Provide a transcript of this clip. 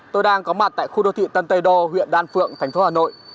tôi đang có mặt tại khu đô thị tân tây đô huyện đan phượng thành phố hà nội